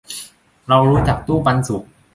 เรารู้จักตู้ปันสุข